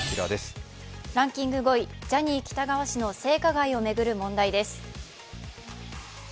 ランキング５位、ジャニー喜多川氏の性加害を巡る問題です。